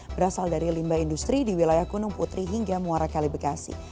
berasal dari limbah industri di wilayah gunung putri hingga muara kali bekasi